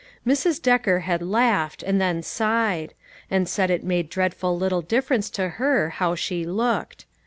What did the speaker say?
Mrs. Decker had laughed, and then sighed ; and said it made dreadful little difference to her how she looked.